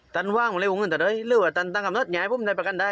ตันว่างมาเลยโอเงินเท่าไหร่เรียกว่าตันตังค่ะไม่ให้ผมได้ประคัญได้